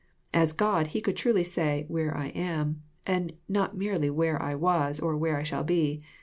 As God, He could truly say, " where I am," and not merely where I was," or where I shall be."